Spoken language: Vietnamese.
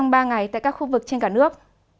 ba ngày tại các khu vực trên cả nước